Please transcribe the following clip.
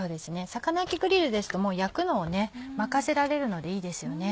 魚焼きグリルですと焼くのを任せられるのでいいですよね。